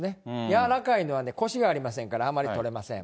軟らかいのはこしがありませんから、あまり取れません。